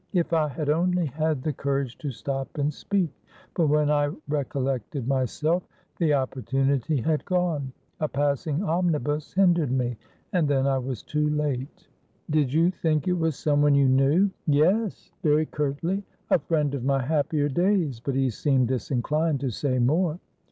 If I had only had the courage to stop and speak; but when I recollected myself the opportunity had gone a passing omnibus hindered me and then I was too late." "Did you think it was someone you knew?" "Yes," very curtly "a friend of my happier days." But he seemed disinclined to say more.